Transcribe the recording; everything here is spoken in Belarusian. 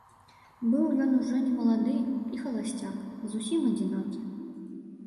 Быў ён ужо не малады, і халасцяк, зусім адзінокі.